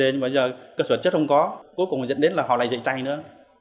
nhưng mà giờ cơ sở vật chất không có cuối cùng dẫn đến là họ lại dạy chay nữa